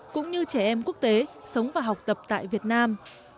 cũng như trẻ em quốc tế sống và học tập tại việt nam